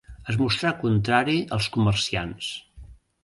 Es mostrà contrari als comerciants.